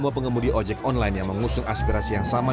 dua pengemudi ojek online yang mengusung aspirasi yang sama